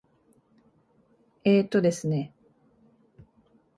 えーとですね。